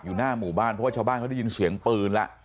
หน้าหมู่บ้านเพราะว่าชาวบ้านเขาได้ยินเสียงปืนแล้ว